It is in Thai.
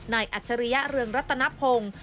อัจฉริยะเรืองรัตนพงศ์